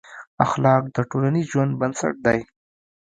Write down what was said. اخلاق د ټولنیز ژوند بنسټ دي.